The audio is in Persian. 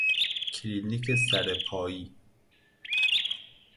کلینیک سرپائی